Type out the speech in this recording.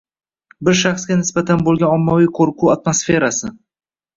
Bir shaxsga nisbatan boʻlgan ommaviy qoʻrquv atmosferasi